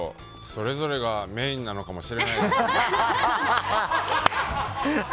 それぞれがメインなのかもしれないです。